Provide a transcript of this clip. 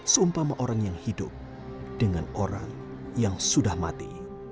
seumpama orang yang hidup dengan orang yang sudah mati